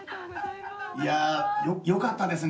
いやよかったですね。